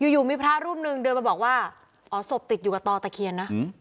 อยู่มีพระรูปหนึ่งเดินมาบอกว่าอ๋อศพติดอยู่กับตอตะเคียนนะ